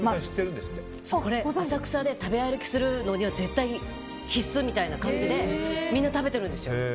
浅草で食べ歩きするには絶対必須みたいな感じでみんな食べてるんですよ。